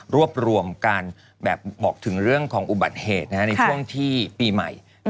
รวบรวมการแบบบอกถึงเรื่องของอุบัติเหตุในช่วงที่ปีใหม่